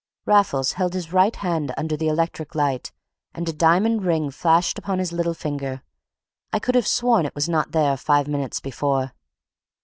Raffles held his right hand under the electric light, and a diamond ring flashed upon his little finger. I could have sworn it was not there five minutes before.